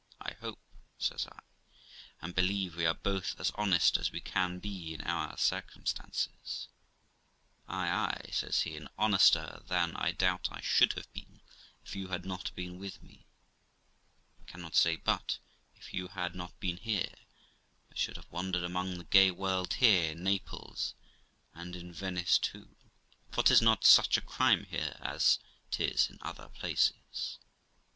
I hope', says I, 'and believe, we are both as honest as we can be in our circumstances.' ' Ay, ay ', says he ;' and honester than I doubt I should have been if you had not been with me. I cannot say but, if you had not been here, I should have wandered among the gay world here, in Naples, and in Venice too, for 'tis not such a crime here as 'tis in other places.